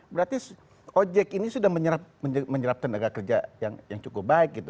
berarti ojek ini sudah menyerap tenaga kerja yang cukup baik gitu